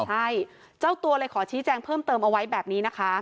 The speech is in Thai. ใช่เจ้าตัวเลยขอชี้แจงเพิ่มเติมเอาไว้แบบนี้นะคะ